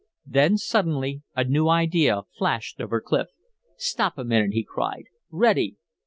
Then suddenly a new idea flashed over Clif. "Stop a minute!" he cried. "Ready!"